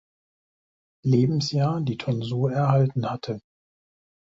Lebensjahr die Tonsur erhalten hatte.